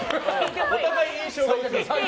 お互い、印象がない。